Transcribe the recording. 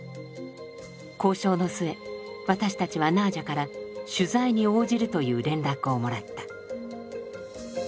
交渉の末私たちはナージャから取材に応じるという連絡をもらった。